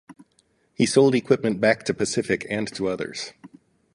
He sold equipment back to Pacific and to others.